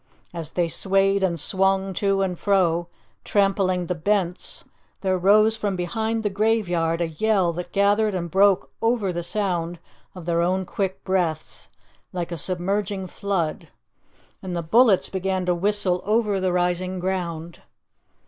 As they swayed and swung to and fro, trampling the bents, there rose from behind the graveyard a yell that gathered and broke over the sound of their own quick breaths like a submerging flood, and the bullets began to whistle over the rising ground.